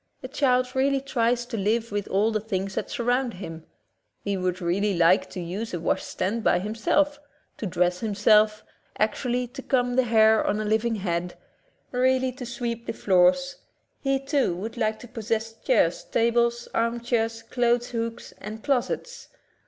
The child really tries to live with all the things that surround him. He would really like to use a washstand by himself, to dress himself, actually to comb the hair on a living head, really to sweep the floors ; he. too, would like to possess chairs, tables, arm chairs, clothes hooks and closets.